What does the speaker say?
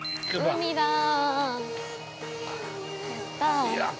海だー。